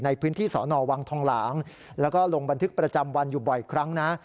ในพื้นที่สอนอวังทองหลางแล้วก็ลงบันทึกประจำวันอยู่บ่อยครั้งนะ